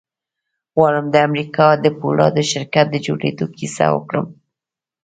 غواړم د امريکا د پولادو شرکت د جوړېدو کيسه وکړم.